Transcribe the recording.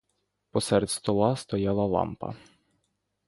Посеред стола стояла лампа.